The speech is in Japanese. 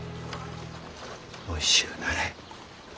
おいしゅうなれ。